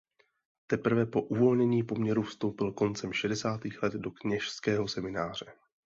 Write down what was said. Teprve po uvolnění poměrů vstoupil koncem šedesátých let do kněžského semináře.